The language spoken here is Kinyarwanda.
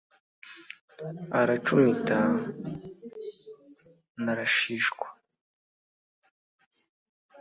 aracumita nrashishwa